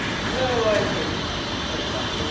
"No, I think not," said the Doctor.